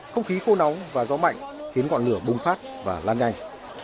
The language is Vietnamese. không khí khô nóng và gió mạnh khiến ngọn lửa bùng phát và lan nhanh